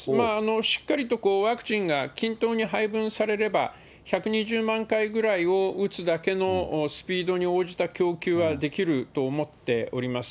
しっかりとワクチンが均等に配分されれば、１２０万回ぐらいを打つだけのスピードに応じた供給はできると思っております。